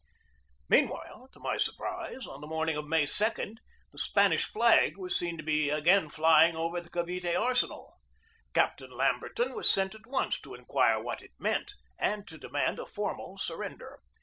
Meanwhile, to my surprise, on the morning of May 2, the Spanish flag was seen to be again flying over the Cavite arsenal. Captain Lamberton was sent at once to inquire what it meant, and to demand a formal surrender.